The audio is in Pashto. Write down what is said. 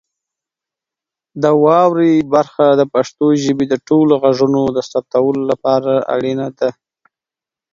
د واورئ برخه د پښتو ژبې د ټولو غږونو د ثبتولو لپاره اړینه ده.